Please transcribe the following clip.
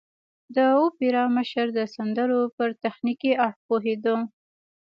د اوپرا مشر د سندرو پر تخنيکي اړخ پوهېده.